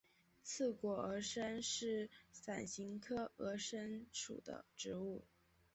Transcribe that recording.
刺果峨参是伞形科峨参属的植物。